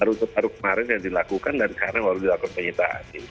rute baru kemarin yang dilakukan dan sekarang baru dilakukan penyitaan